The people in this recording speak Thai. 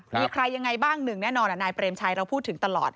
มีใครยังไงบ้างหนึ่งแน่นอนนายเปรมชัยเราพูดถึงตลอด